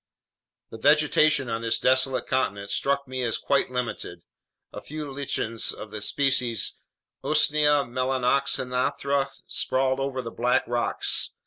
The vegetation on this desolate continent struck me as quite limited. A few lichens of the species Usnea melanoxanthra sprawled over the black rocks.